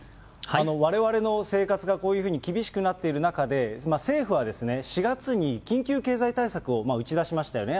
われわれの生活がこういうふうに厳しくなっている中で、政府は４月に緊急経済対策を打ち出しましたよね。